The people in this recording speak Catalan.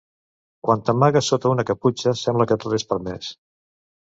Quan t'amagues sota una caputxa sembla que tot és permès.